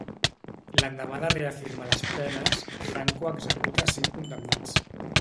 L'endemà de reafirmar les penes, Franco executa cinc condemnats.